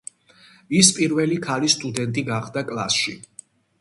ის პირველი ქალი სტუდენტი გახდა კლასში.